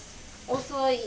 遅い。